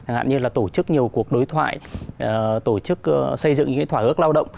như tổ chức nhiều cuộc đối thoại tổ chức xây dựng những thỏa ước lao động